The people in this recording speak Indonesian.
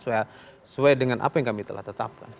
sesuai dengan apa yang kami telah tetapkan